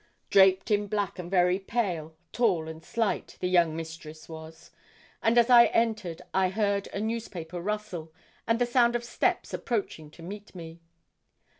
Draped in black and very pale, tall and slight, 'the young mistress' was; and as I entered I heard a newspaper rustle, and the sound of steps approaching to meet me.